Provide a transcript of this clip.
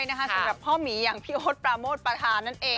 สำหรับพ่อหมีอย่างพี่โอ๊ตปราโมทประธานนั่นเอง